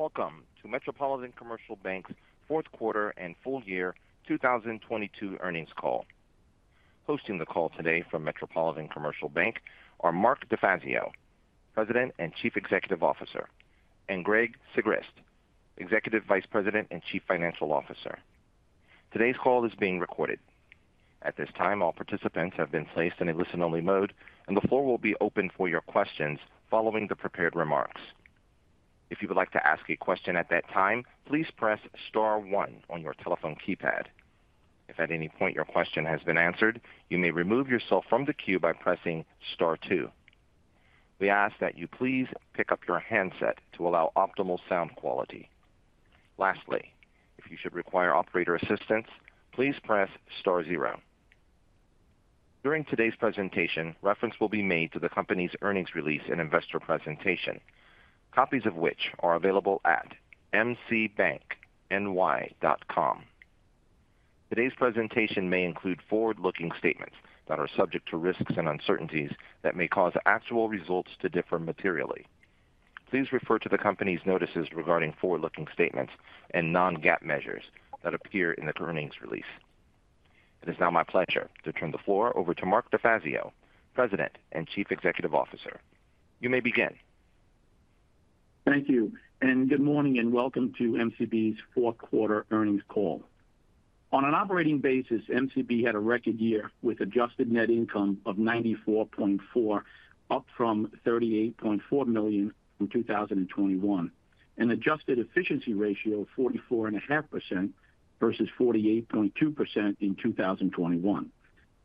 Welcome to Metropolitan Commercial Bank's fourth quarter and full year 2022 earnings call. Hosting the call today from Metropolitan Commercial Bank are Mark DeFazio, President and Chief Executive Officer, and Greg Sigrist, Executive Vice President and Chief Financial Officer. Today's call is being recorded. At this time, all participants have been placed in a listen-only mode. The floor will be open for your questions following the prepared remarks. If you would like to ask a question at that time, please press star one on your telephone keypad. If at any point your question has been answered, you may remove yourself from the queue by pressing star two. We ask that you please pick up your handset to allow optimal sound quality. Lastly, if you should require operator assistance, please press star zero. During today's presentation, reference will be made to the company's earnings release and investor presentation, copies of which are available at mcbankny.com. Today's presentation may include forward-looking statements that are subject to risks and uncertainties that may cause actual results to differ materially. Please refer to the company's notices regarding forward-looking statements and non-GAAP measures that appear in the earnings release. It is now my pleasure to turn the floor over to Mark DeFazio, President and Chief Executive Officer. You may begin. Thank you. Good morning and welcome to MCB's fourth quarter earnings call. On an operating basis, MCB had a record year with adjusted net income of $94.4, up from $38.4 million in 2021, an adjusted efficiency ratio of 44.5% versus 48.2% in 2021.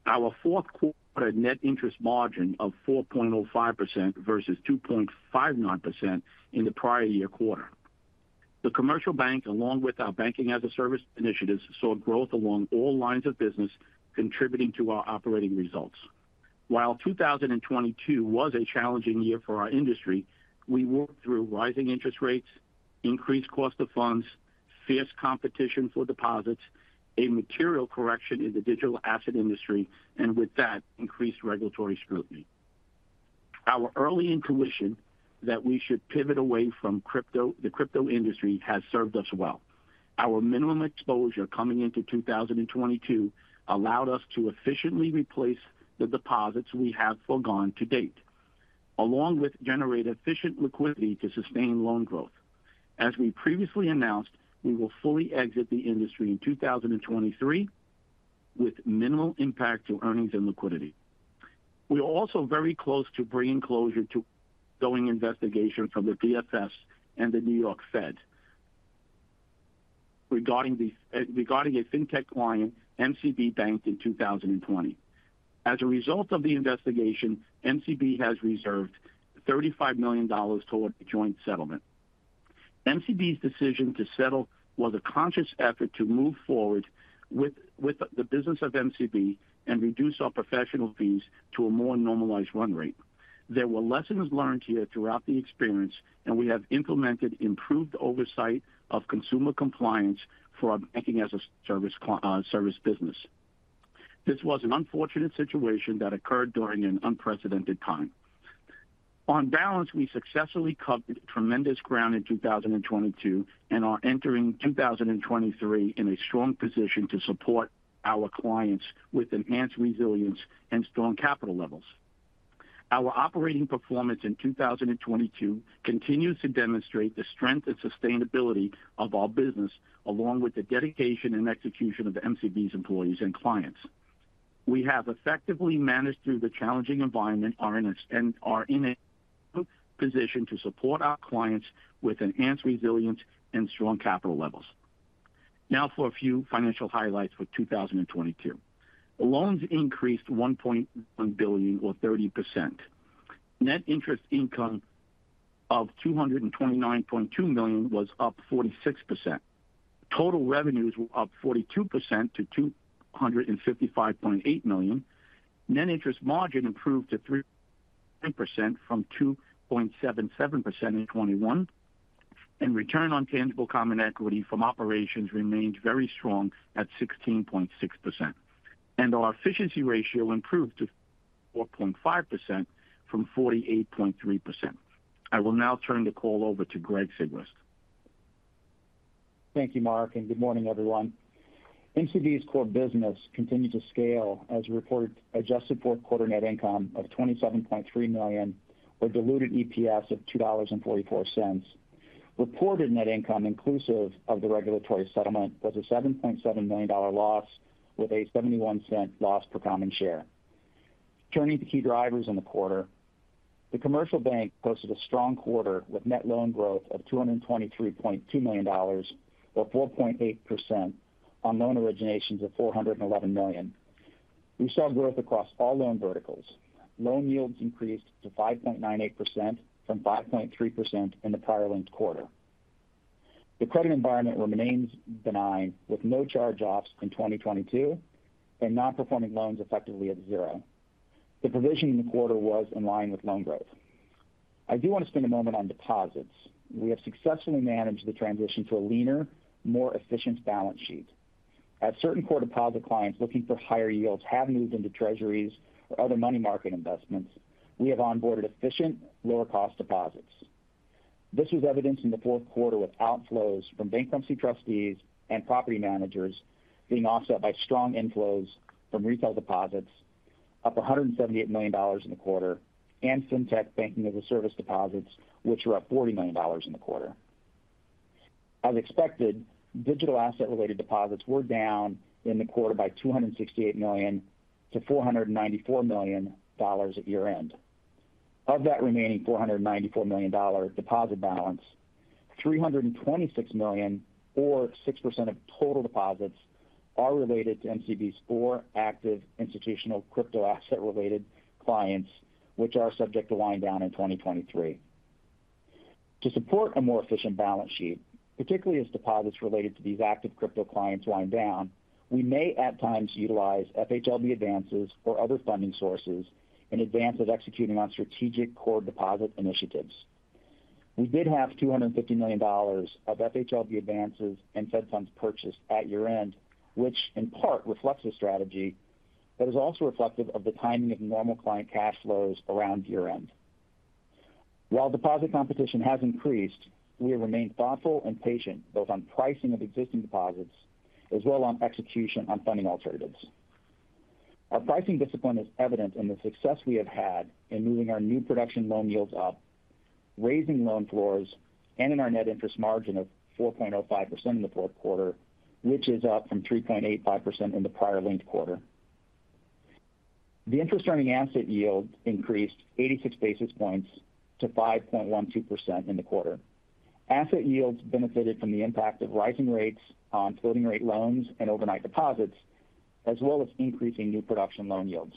Our fourth quarter net interest margin of 4.05% versus 2.59% in the prior year quarter. The commercial bank, along with our banking-as-a-service initiatives, saw growth along all lines of business contributing to our operating results. While 2022 was a challenging year for our industry, we worked through rising interest rates, increased cost of funds, fierce competition for deposits, a material correction in the digital asset industry, and with that, increased regulatory scrutiny. Our early intuition that we should pivot away from the crypto industry has served us well. Our minimum exposure coming into 2022 allowed us to efficiently replace the deposits we have forgone to date, along with generate efficient liquidity to sustain loan growth. As we previously announced, we will fully exit the industry in 2023 with minimal impact to earnings and liquidity. We are also very close to bringing closure to ongoing investigations from the DFS and the New York Fed regarding a fintech client MCB banked in 2020. As a result of the investigation, MCB has reserved $35 million towards the joint settlement. MCB's decision to settle was a conscious effort to move forward with the business of MCB and reduce our professional fees to a more normalized run rate. There were lessons learned here throughout the experience, we have implemented improved oversight of consumer compliance for our banking-as-a-service service business. This was an unfortunate situation that occurred during an unprecedented time. On balance, we successfully covered tremendous ground in 2022 and are entering 2023 in a strong position to support our clients with enhanced resilience and strong capital levels. Our operating performance in 2022 continues to demonstrate the strength and sustainability of our business, along with the dedication and execution of the MCB's employees and clients. We have effectively managed through the challenging environment and are in a strong position to support our clients with enhanced resilience and strong capital levels. For a few financial highlights for 2022. Loans increased $1.1 billion or 30%. Net interest income of $229.2 million was up 46%. Total revenues were up 42% to $255.8 million. Net interest margin improved to 3% from 2.77% in 2021. Return on tangible common equity from operations remained very strong at 16.6%. Our efficiency ratio improved to 4.5% from 48.3%. I will now turn the call over to Greg Sigrist. Thank you, Mark, and good morning, everyone. MCB's core business continued to scale as we reported adjusted fourth quarter net income of $27.3 million, with diluted EPS of $2.44. Reported net income inclusive of the regulatory settlement was a $7.7 million loss with a $0.71 loss per common share. Turning to key drivers in the quarter. The commercial bank posted a strong quarter with net loan growth of $223.2 million or 4.8% on loan originations of $411 million. We saw growth across all loan verticals. Loan yields increased to 5.98% from 5.3% in the prior linked quarter. The credit environment remains benign, with no charge-offs in 2022 and non-performing loans effectively at zero. The provision in the quarter was in line with loan growth. I do want to spend a moment on deposits. We have successfully managed the transition to a leaner, more efficient balance sheet. As certain core deposit clients looking for higher yields have moved into treasuries or other money market investments, we have onboarded efficient lower cost deposits. This was evidenced in the fourth quarter with outflows from bankruptcy trustees and property managers being offset by strong inflows from retail deposits up $178 million in the quarter and fintech banking-as-a-service deposits, which were up $40 million in the quarter. As expected, digital asset related deposits were down in the quarter by $268 million to $494 million at year-end. Of that remaining $494 million deposit balance, $326 million or 6% of total deposits are related to MCB's four active institutional crypto asset related clients, which are subject to winding down in 2023. To support a more efficient balance sheet, particularly as deposits related to these active crypto clients wind down, we may at times utilize FHLB advances or other funding sources in advance of executing on strategic core deposit initiatives. We did have $250 million of FHLB advances and Fed funds purchased at year-end, which in part reflects the strategy that is also reflective of the timing of normal client cash flows around year-end. While deposit competition has increased, we have remained thoughtful and patient both on pricing of existing deposits as well on execution on funding alternatives. Our pricing discipline is evident in the success we have had in moving our new production loan yields up, raising loan floors, and in our net interest margin of 4.05% in the fourth quarter, which is up from 3.85% in the prior linked quarter. The interest earning asset yield increased 86 basis points to 5.12% in the quarter. Asset yields benefited from the impact of rising rates on floating rate loans and overnight deposits, as well as increasing new production loan yields.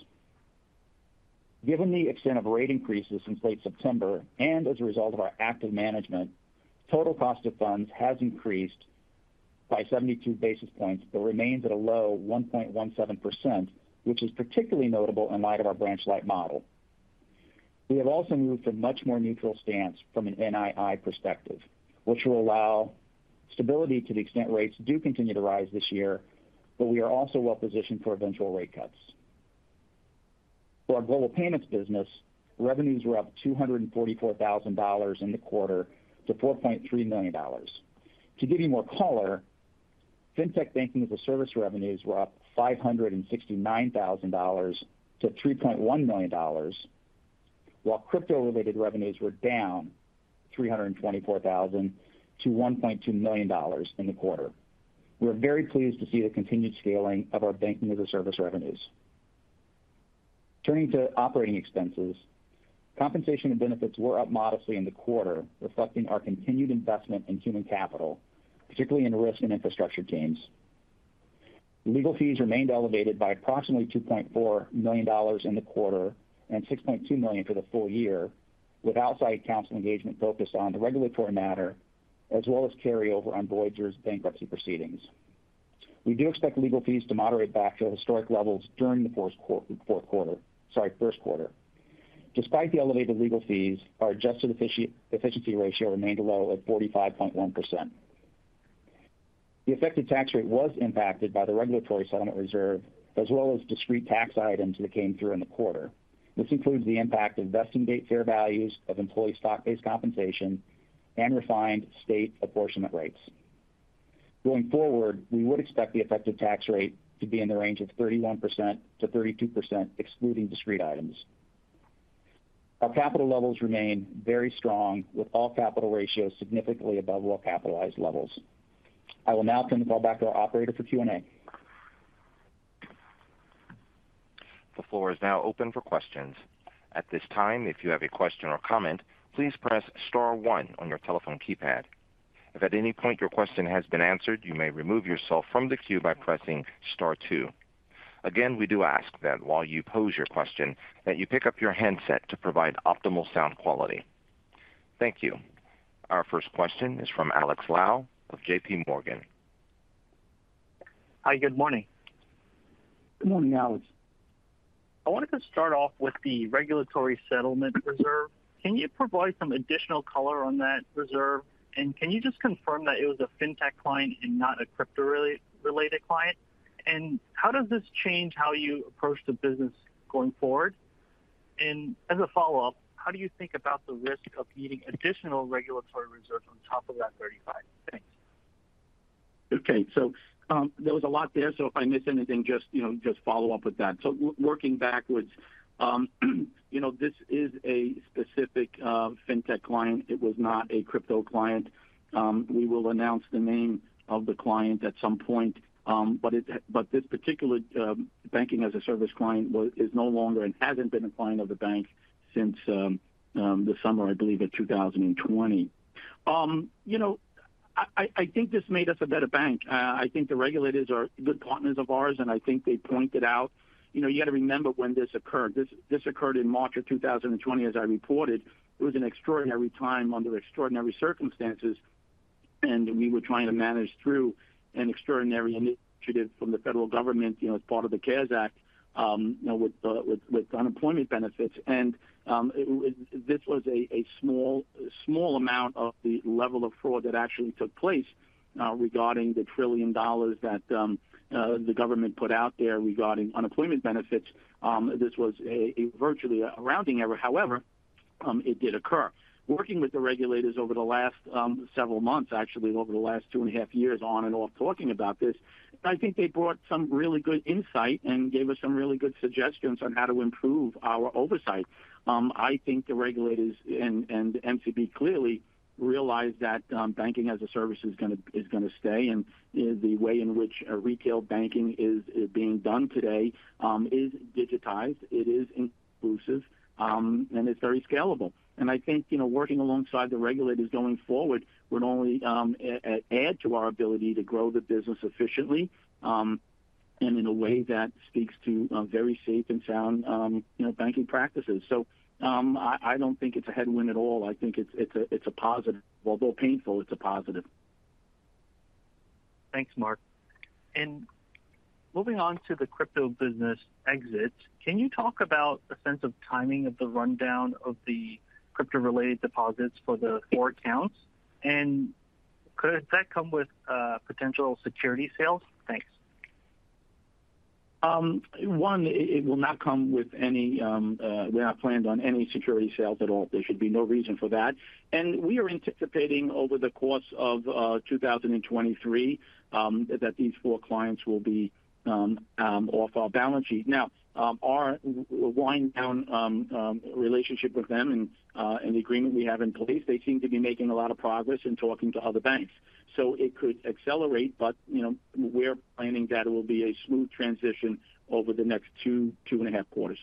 Given the extent of rate increases since late September and as a result of our active management, total cost of funds has increased by 72 basis points, but remains at a low 1.17%, which is particularly notable in light of our branch light model. We have also moved to a much more neutral stance from an NII perspective, which will allow stability to the extent rates do continue to rise this year. We are also well positioned for eventual rate cuts. For our Global Payments business, revenues were up $244,000 in the quarter to $4.3 million. To give you more color, Fintech banking-as-a-service revenues were up $569,000 to $3.1 million, while crypto-related revenues were down $324,000 to $1.2 million in the quarter. We're very pleased to see the continued scaling of our banking-as-a-service revenues. Turning to operating expenses. Compensation and benefits were up modestly in the quarter, reflecting our continued investment in human capital, particularly in risk and infrastructure teams. Legal fees remained elevated by approximately $2.4 million in the quarter and $6.2 million for the full year, with outside counsel engagement focused on the regulatory matter as well as carryover on Voyager's bankruptcy proceedings. We do expect legal fees to moderate back to historic levels during the fourth quarter -- sorry, first quarter. Despite the elevated legal fees, our adjusted efficiency ratio remained low at 45.1%. The effective tax rate was impacted by the regulatory settlement reserve as well as discrete tax items that came through in the quarter. This includes the impact of vesting date fair values of employee stock-based compensation and refined state apportionment rates. Going forward, we would expect the effective tax rate to be in the range of 31%-32%, excluding discrete items. Our capital levels remain very strong, with all capital ratios significantly above well-capitalized levels. I will now turn the call back to our operator for Q&A. The floor is now open for questions. At this time, if you have a question or comment, please press star one on your telephone keypad. If at any point your question has been answered, you may remove yourself from the queue by pressing star two. Again, we do ask that while you pose your question that you pick up your handset to provide optimal sound quality. Thank you. Our first question is from Alex Lau of JPMorgan. Hi. Good morning. Good morning, Alex Lau. I wanted to start off with the regulatory settlement reserve. Can you provide some additional color on that reserve? Can you just confirm that it was a Fintech client and not a crypto-related client? How does this change how you approach the business going forward? As a follow-up, how do you think about the risk of needing additional regulatory reserves on top of that $35? Thanks. Okay. there was a lot there, so if I miss anything, just, you know, follow up with that. Working backwards. You know, this is a specific Fintech client. It was not a crypto client. We will announce the name of the client at some point. But this particular banking-as-a-service client was, is no longer and hasn't been a client of the bank since the summer, I believe, of 2020. You know, I think this made us a better bank. I think the regulators are good partners of ours, and I think they pointed out, you know, you got to remember when this occurred. This occurred in March of 2020, as I reported. It was an extraordinary time under extraordinary circumstances. We were trying to manage through an extraordinary initiative from the federal government, you know, as part of the CARES Act, with unemployment benefits. This was a small amount of the level of fraud that actually took place regarding the $1 trillion that the government put out there regarding unemployment benefits. This was a virtually a rounding error. However, it did occur. Working with the regulators over the last several months, actually over the last two and a half years on and off talking about this, I think they brought some really good insight and gave us some really good suggestions on how to improve our oversight. I think the regulators and MCB clearly realize that banking-as-a-service is gonna stay, and the way in which retail banking is being done today is digitized, it is inclusive, and it's very scalable. I think, you know, working alongside the regulators going forward would only add to our ability to grow the business efficiently, and in a way that speaks to very safe and sound, you know, banking practices. I don't think it's a headwind at all. I think it's a, it's a positive. Although painful, it's a positive. Thanks, Mark. Moving on to the crypto business exits, can you talk about the sense of timing of the rundown of the crypto-related deposits for the four accounts? Could that come with, potential security sales? Thanks. one, it will not come with any, we're not planned on any security sales at all. There should be no reason for that. We are anticipating over the course of 2023, that these four clients will be off our balance sheet. Now, our wind down relationship with them and the agreement we have in place, they seem to be making a lot of progress in talking to other banks. It could accelerate, but, you know, we're planning that it will be a smooth transition over the next two and a half quarters.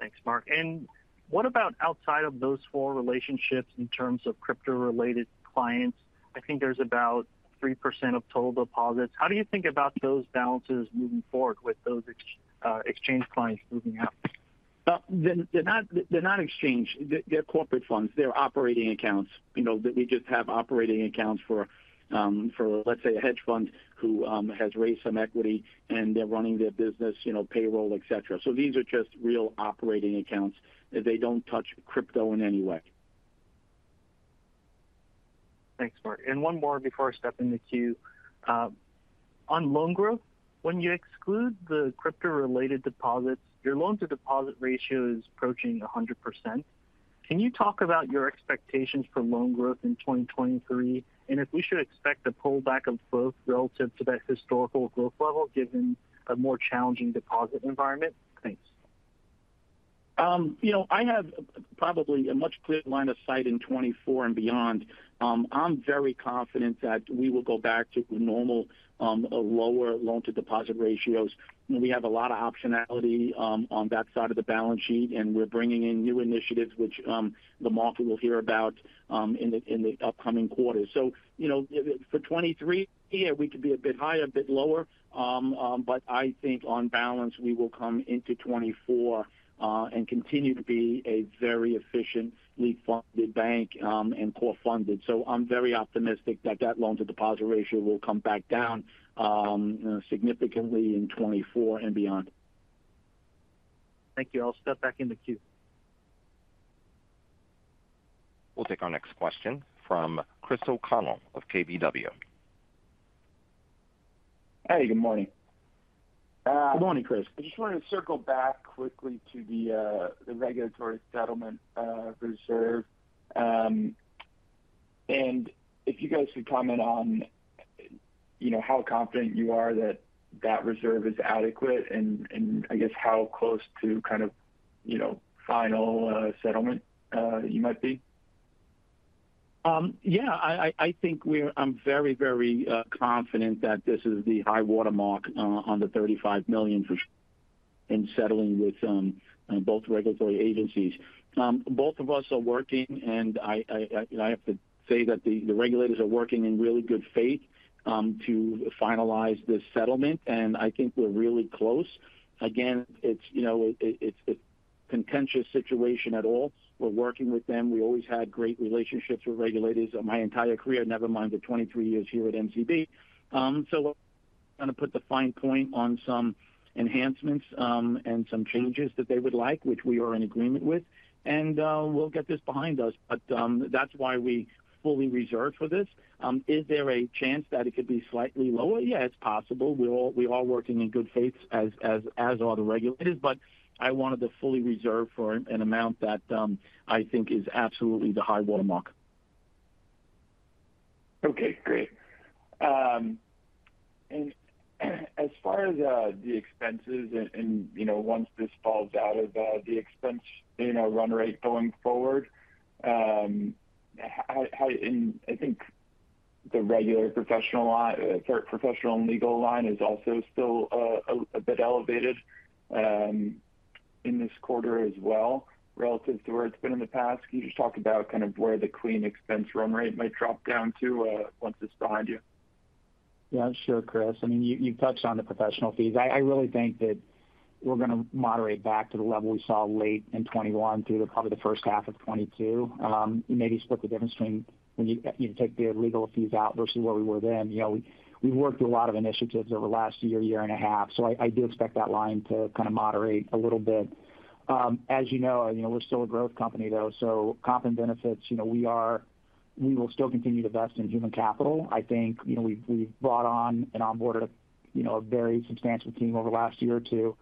Thanks, Mark. What about outside of those four relationships in terms of crypto-related clients? I think there's about 3% of total deposits. How do you think about those balances moving forward with those exchange clients moving out? They're not exchange. They're corporate funds. They're operating accounts. You know, that we just have operating accounts for, let's say, a hedge fund who has raised some equity, and they're running their business, you know, payroll, et cetera. These are just real operating accounts. They don't touch crypto in any way. Thanks, Mark. One more before I step in the queue. On loan growth, when you exclude the crypto-related deposits, your loan-to-deposit ratio is approaching 100%. Can you talk about your expectations for loan growth in 2023? If we should expect a pullback of growth relative to that historical growth level, given a more challenging deposit environment? Thanks. You know, I have probably a much clearer line of sight in 2024 and beyond. I'm very confident that we will go back to normal, lower loan-to-deposit ratios. You know, we have a lot of optionality on that side of the balance sheet, and we're bringing in new initiatives which the market will hear about in the upcoming quarters. You know, for 2023, yeah, we could be a bit higher, a bit lower. I think on balance, we will come into 2024, and continue to be a very efficiently funded bank, and core funded. I'm very optimistic that that loan-to-deposit ratio will come back down, significantly in 2024 and beyond. Thank you. I'll step back in the queue. We'll take our next question from Chris O'Connell of KBW. Hey, good morning. Good morning, Chris. I just wanted to circle back quickly to the regulatory settlement reserve. If you guys could comment on, you know, how confident you are that that reserve is adequate and I guess how close to kind of, you know, final settlement you might be. Yeah, I think I'm very confident that this is the high water mark on the $35 million in settling with both regulatory agencies. Both of us are working, and I have to say that the regulators are working in really good faith to finalize this settlement, and I think we're really close. Again, it's, you know, it's a contentious situation at all. We're working with them. We always had great relationships with regulators my entire career, never mind the 23 years here at MCB. We're gonna put the fine point on some enhancements and some changes that they would likely, which we are in agreement with. We'll get this behind us. That's why we fully reserve for this. Is there a chance that it could be slightly lower? Yeah, it's possible. We're all working in good faith as are the regulators. I wanted to fully reserve for an amount that I think is absolutely the high-water mark. Great. As far as the expenses and, you know, once this falls out of the expense, you know, run rate going forward, I think the regular professional and legal line is also still a bit elevated in this quarter as well relative to where it's been in the past. Can you just talk about kind of where the clean expense run rate might drop down to once it's behind you? Yeah, sure, Chris. I mean, you touched on the professional fees. I really think that we're gonna moderate back to the level we saw late in 2021 through to probably the first half of 2022. Maybe split the difference between when you take the legal fees out versus where we were then. You know, we've worked through a lot of initiatives over the last year and a half. I do expect that line to kind of moderate a little bit. As you know, we're still a growth company though. Comp and benefits, you know, we will still continue to invest in human capital. I think, you know, we've brought on and onboarded, you know, a very substantial team over the last year or two.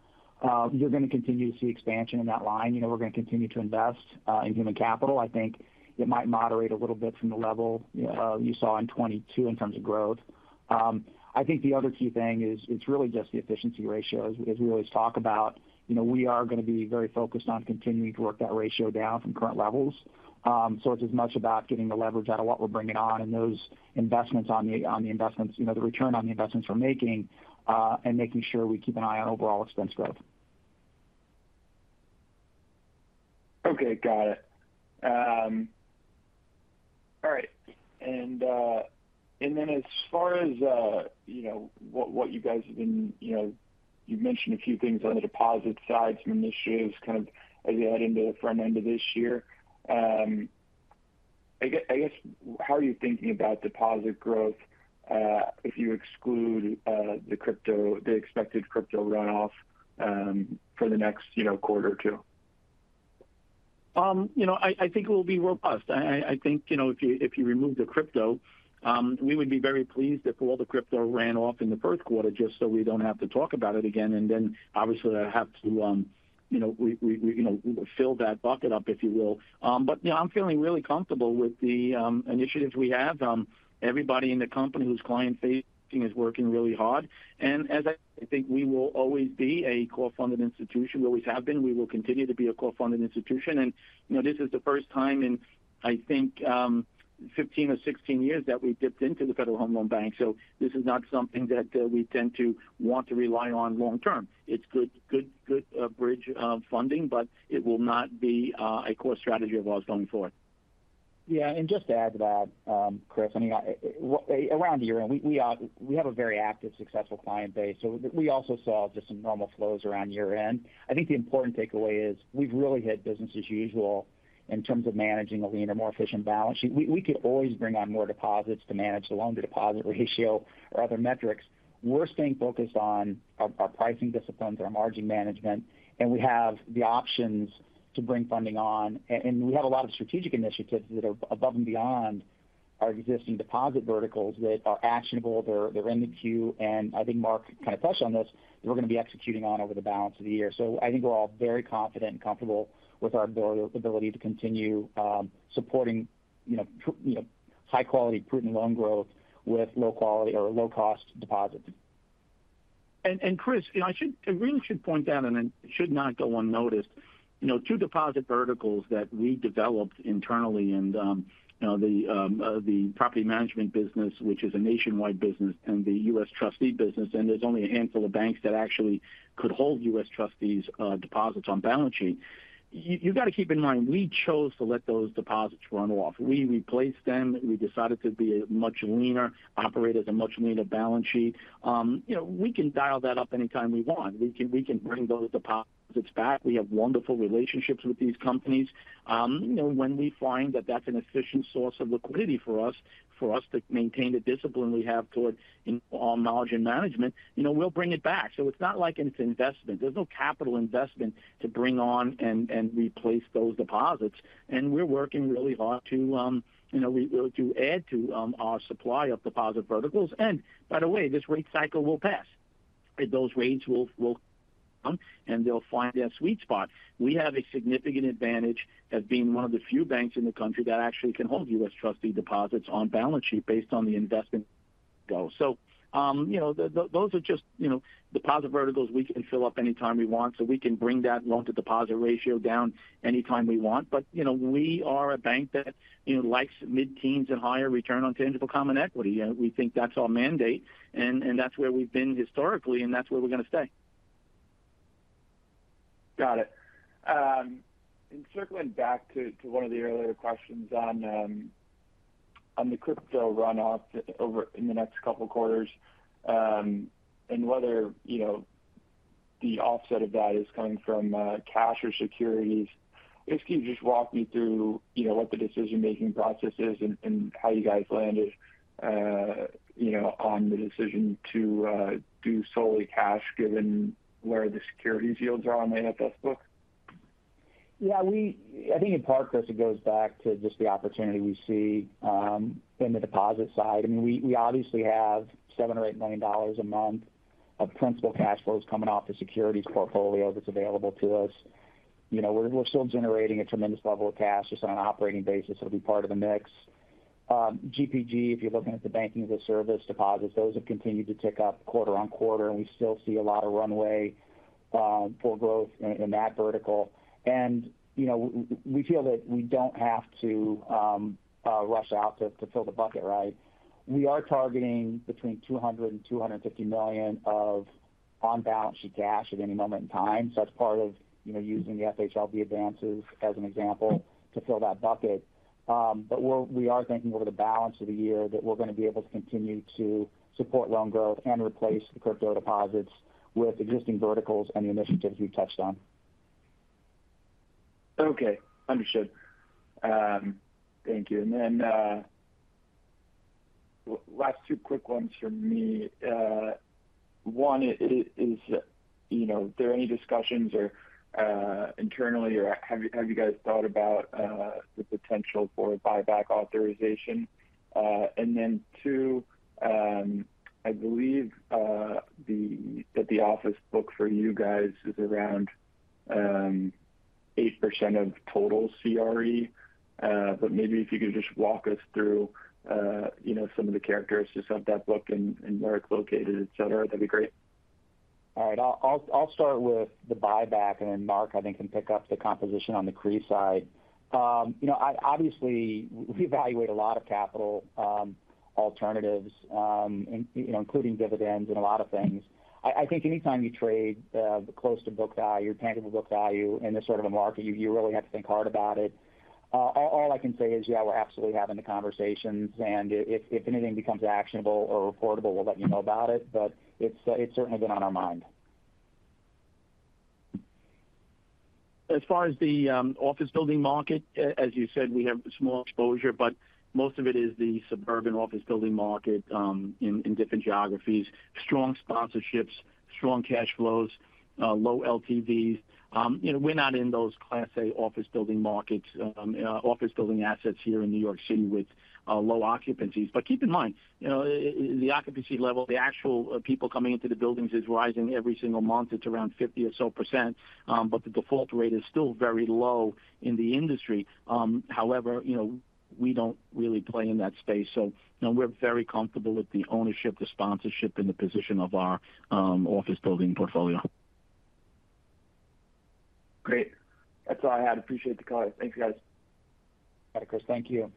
You're going to continue to see expansion in that line. You know, we're going to continue to invest in human capital. I think it might moderate a little bit from the level, you saw in 2022 in terms of growth. I think the other key thing is it's really just the efficiency ratio, as we as always talk about. You know, we are going to be very focused on continuing to work that ratio down from current levels. It's as much about getting the leverage out of what we're bringing on and those investments on the investments, you know, the return on the investments we're making, and making sure we keep an eye on overall expense growth. Okay. Got it. All right. As far as, you know, what you guys have been, you know, you've mentioned a few things on the deposit side, some initiatives kind of as you head into the front end of this year. I guess, how are you thinking about deposit growth, if you exclude the expected crypto runoff, for the next, you know, quarter or two? you know, I think it will be robust. I think, you know, if you remove the crypto, we would be very pleased if all the crypto ran off in the first quarter just so we don't have to talk about it again. obviously I have to, you know, we, you know, fill that bucket up, if you will. you know, I'm feeling really comfortable with the initiatives we have. Everybody in the company who's client-facing is working really hard. As I think we will always be a core funded institution, we always have been. We will continue to be a core funded institution. you know, this is the first time in, I think, 15 or 16 years that we've dipped into the Federal Home Loan Bank. This is not something that, we tend to want to rely on long term. It's good bridge, funding, but it will not be a core strategy of ours going forward. Yeah. Just to add to that, Chris, I mean, around year-end, we have a very active, successful client base. We also saw just some normal flows around year-end. I think the important takeaway is we've really hit business as usual in terms of managing a leaner, more efficient balance sheet. We could always bring on more deposits to manage the loan-to-deposit ratio or other metrics. We're staying focused on our pricing disciplines, our margin management, and we have the options to bring funding on. We have a lot of strategic initiatives that are above and beyond our existing deposit verticals that are actionable. They're in the queue. I think Mark kind of touched on this, that we're going to be executing on over the balance of the year. I think we're all very confident and comfortable with our ability to continue supporting, you know, high-quality prudent loan growth with low quality or low-cost deposits. Chris, you know, really should point out. It should not go unnoticed. You know, two deposit verticals that we developed internally and, you know, the property management business, which is a nationwide business, and the U.S. Trustee business. There's only a handful of banks that actually could hold U.S. Trustees deposits on balance sheet. You got to keep in mind, we chose to let those deposits run off. We replaced them. We decided to be a much leaner operator with a much leaner balance sheet. You know, we can dial that up anytime we want. We can bring those deposits back. We have wonderful relationships with these companies. You know, when we find that that's an efficient source of liquidity for us, for us to maintain the discipline we have towards in our margin management, you know, we'll bring it back. It's not like it's investment. There's no capital investment to bring on and replace those deposits. We're working really hard to, you know, to add to our supply of deposit verticals. By the way, this rate cycle will pass. Those rates will come, and they'll find their sweet spot. We have a significant advantage as being one of the few banks in the country that actually can hold U.S. Trustee deposits on balance sheet based on the investment goal. You know, those are just, you know, deposit verticals we can fill up anytime we want. We can bring that loan-to-deposit ratio down anytime we want. You know, we are a bank that, you know, likes mid-teens and higher return on tangible common equity. We think that's our mandate, and that's where we've been historically, and that's where we're going to stay. Got it. Circling back to one of the earlier questions on the crypto runoff in the next couple quarters, and whether, you know, the offset of that is coming from cash or securities. If you could just walk me through, you know, what the decision-making process is and how you guys landed, you know, on the decision to do solely cash given where the securities yields are on the AFS book. Yeah, I think in part, Chris, it goes back to just the opportunity we see in the deposit side. I mean, we obviously have $7 million-$8 million a month of principal cash flows coming off the securities portfolio that's available to us. You know, we're still generating a tremendous level of cash just on an operating basis. It'll be part of the mix. GPG, if you're looking at the banking-as-a-service deposits, those have continued to tick up quarter-on-quarter, and we still see a lot of runway for growth in that vertical. You know, we feel that we don't have to rush out to fill the bucket, right? We are targeting between $200 million-$250 million of on balance sheet cash at any moment in time. That's part of, you know, using the FHLB advances as an example to fill that bucket. We are thinking over the balance of the year that we're gonna be able to continue to support loan growth and replace the crypto deposits with existing verticals and the initiatives we touched on. Okay. Understood. Thank you. Then, last two quick ones from me. One is, you know, are there any discussions or internally or have you guys thought about the potential for a buyback authorization? Then two, I believe that the office book for you guys is around 8% of total CRE. Maybe if you could just walk us through, you know, some of the characteristics of that book and where it's located, et cetera, that'd be great. All right. I'll start with the buyback and then Mark, I think, can pick up the composition on the CRE side. You know, obviously we evaluate a lot of capital alternatives, in, you know, including dividends and a lot of things. I think anytime you trade close to book value or tangible book value in this sort of a market, you really have to think hard about it. All I can say is yeah, we're absolutely having the conversations and if anything becomes actionable or reportable, we'll let you know about it. But it's certainly been on our mind. As far as the office building market, as you said, we have a small exposure, but most of it is the suburban office building market in different geographies. Strong sponsorships, strong cash flows, low LTVs. You know, we're not in those Class A office building markets, office building assets here in New York City with low occupancies. Keep in mind, you know, the occupancy level, the actual people coming into the buildings is rising every single month. It's around 50% or so. The default rate is still very low in the industry. However, you know, we don't really play in that space. You know, we're very comfortable with the ownership, the sponsorship, and the position of our office building portfolio. Great. That's all I had. Appreciate the call. Thank you, guys. Bye, Chris. Thank you.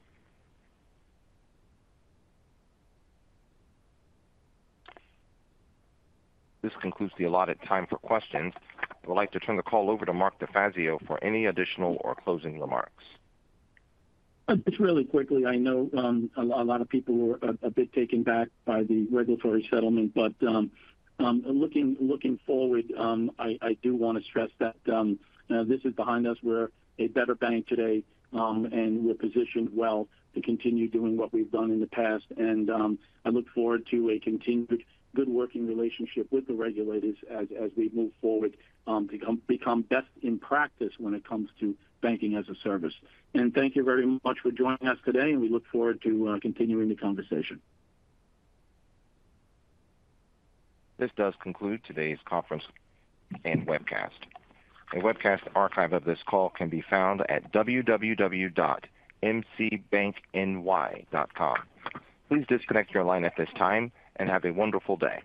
This concludes the allotted time for questions. I would like to turn the call over to Mark DeFazio for any additional or closing remarks. Just really quickly. I know, a lot of people were a bit taken back by the regulatory settlement. Looking forward, I do wanna stress that this is behind us. We're a better bank today, and we're positioned well to continue doing what we've done in the past. I look forward to a continued good working relationship with the regulators as we move forward, become best in practice when it comes to banking-as-a-service. Thank you very much for joining us today, and we look forward to continuing the conversation. This does conclude today's conference and webcast. A webcast archive of this call can be found at www.mcbankny.com. Please disconnect your line at this time, and have a wonderful day.